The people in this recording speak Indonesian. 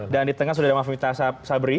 dan di tengah sudah ada mbak fimita sabri